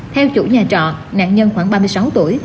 theo chủ nhà trọ nạn nhân khoảng ba mươi sáu tuổi